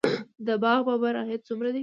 د باغ بابر عاید څومره دی؟